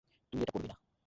তুই এটা করবি না!